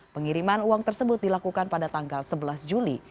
pengiriman uang tersebut dilakukan pada tanggal sebelas juli